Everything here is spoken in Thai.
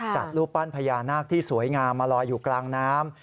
จัดรูปปั้นพญานาคที่สวยงามมาลอยอยู่กลางน้ำ